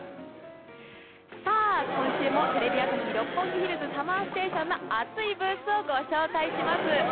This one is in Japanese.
さあ、今週も「テレビ朝日・六本木ヒルズＳＵＭＭＥＲＳＴＡＴＩＯＮ」アツいブースをご紹介します。